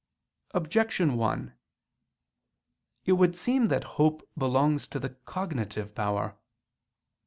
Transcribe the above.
Objection 1: It would seem that hope belongs to the cognitive power.